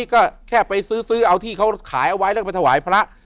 ก็แค่ไปซื้อเอาที่เขาขายเอาไว้แล้วก็ไปถวายพระ